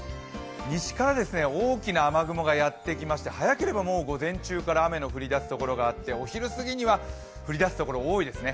西から大きな雨雲がやってきまして早ければ午前中から雨の降りだすところが多くなってお昼過ぎには降りだすところが多いですね。